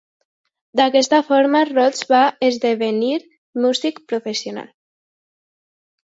D'aquesta forma, Roig va esdevenir músic professional.